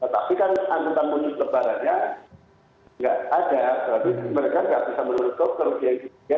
tetapi kan anggota mudik lebarannya nggak ada jadi mereka nggak bisa menurutku kerugian kerugian ini